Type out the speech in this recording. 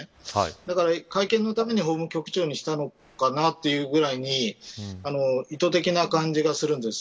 だから会見のために法務局長にしたのかなというぐらいに意図的な感じがするんです。